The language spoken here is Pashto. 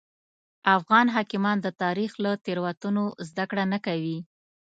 افغان حاکمان د تاریخ له تېروتنو زده کړه نه کوي.